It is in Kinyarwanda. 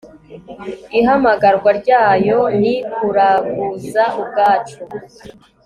ihamagarwa ryayo ni kuraguza ubwacu